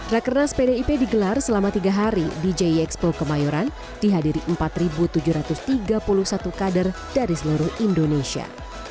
rakernas pdip digelar selama tiga hari di jie expo kemayoran dihadiri empat tujuh ratus tiga puluh satu kader dari seluruh indonesia